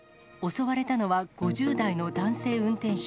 襲われたのは５０代の男性運転手。